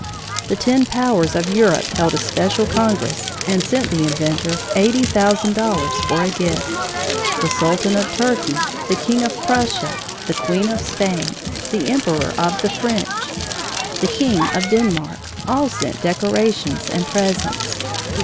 The ten powers of Europe held a special congress and sent the inventor eighty thousand dollars for a gift. The Sultan of Turkey, the King of Prussia, the Queen of Spain, the Emperor of the French, the King of Denmark, all sent decorations and presents.